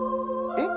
えっ！